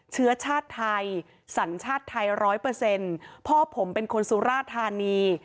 เชื้อชาติไทยสัญชาติไทยร้อยเปอร์เซ็นต์พ่อผมเป็นคนสุราธานี